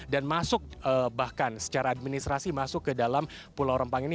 dan masuk bahkan secara administrasi masuk ke dalam pulau rempang ini